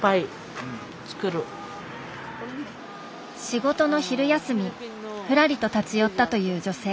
仕事の昼休みふらりと立ち寄ったという女性。